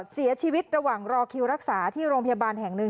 เสียชีวิตระหว่างรอคิวรักษาที่โรงพยาบาลแห่งหนึ่ง